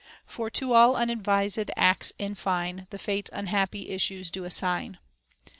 For to all unadvised acts, in fine, The Fates unhappy issues do assign.